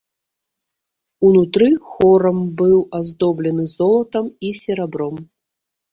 Унутры хорам быў аздоблены золатам і серабром.